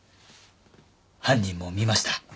犯人も見ました。